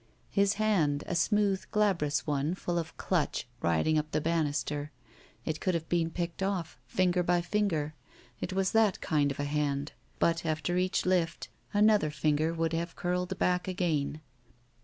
His hand, a smooth glabrous one full of dutch, riding up the banister. It could have been picked off, finger by finger. It was that kind of a hand. But after each lift, another finger would have curled bade again.